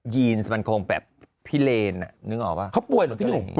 ีนมันคงแบบพิเลนนึกออกป่ะเขาป่วยเหรอพี่หนุ่ม